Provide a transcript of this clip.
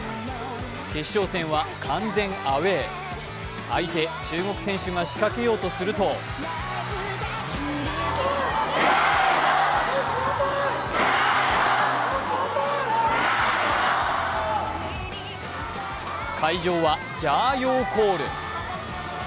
決勝戦は完全アウェー相手、中国選手が仕掛けようとすると会場は加油コール。